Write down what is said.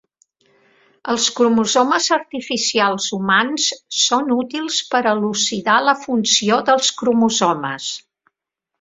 Els cromosomes artificials humans són útils per elucidar la funció dels cromosomes.